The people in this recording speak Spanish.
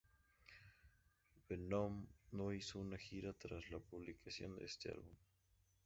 Venom no hizo una gira tras la publicación de este álbum.